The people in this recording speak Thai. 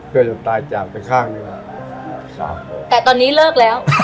เพื่อจะตายจากแต่ข้างดีกว่าครับแต่ตอนนี้เลิกแล้ว